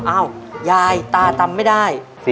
อ้าวยายตาตำไม่ได้